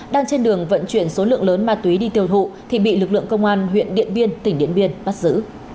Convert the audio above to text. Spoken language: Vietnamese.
đang trên đường vận chuyển số lượng lớn ma túy đi tiêu thụ thì bị lực lượng công an huyện điện biên tỉnh điện biên bắt giữ